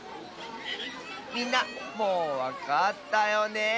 みんなもうわかったよね！